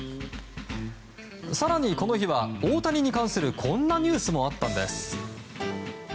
更に、この日は大谷に関するこんなニュースもあったんです。